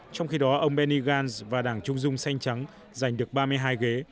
trong khi đó ông benny gantz và đảng trung dung xanh trắng giành được ba mươi hai ghế